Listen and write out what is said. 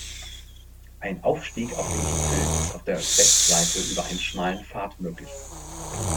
Ein Aufstieg auf den Gipfel ist auf der Westseite über einen schmalen Pfad möglich.